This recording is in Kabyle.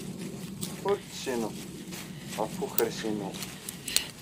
Ur d-ttsennid ɣef ukersi-inu.